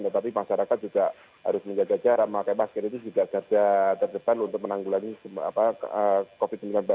tetapi masyarakat juga harus menjaga jarak memakai masker itu juga garda terdepan untuk menanggulangi covid sembilan belas